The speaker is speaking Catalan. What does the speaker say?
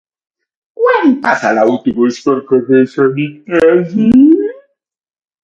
Quan passa l'autobús pel carrer Sant Ignasi?